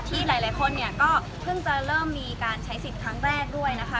หลายคนเนี่ยก็เพิ่งจะเริ่มมีการใช้สิทธิ์ครั้งแรกด้วยนะคะ